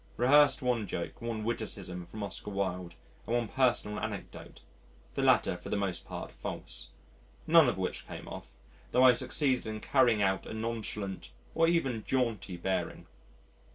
Rehearsed one joke, one witticism from Oscar Wilde, and one personal anecdote (the latter for the most part false), none of which came off, tho' I succeeded in carrying off a nonchalant or even jaunty bearing.